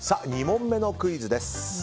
２問目のクイズです。